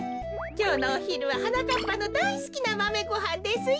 きょうのおひるははなかっぱのだいすきなマメごはんですよ。